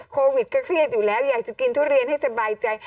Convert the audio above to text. โควิดก็เครียดอยู่แล้วอยากจะกินทุเรียนให้สบายใจ